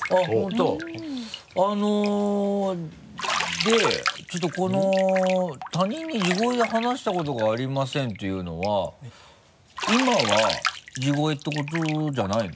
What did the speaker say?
でちょっとこの「他人に地声で話したことがありません」っていうのは今は地声ってことじゃないの？